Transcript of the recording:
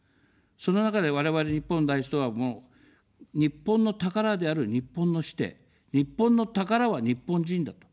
その中で我々、日本第一党は、もう、日本の宝である日本の子弟、日本の宝は日本人だと。